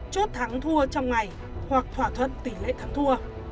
chốt thắng thua trong ngày hoặc thỏa thuận tỷ lệ thắng thua